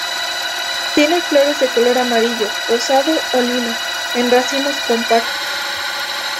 Tiene flores de color amarillo, rosado o lila, en racimos compactos.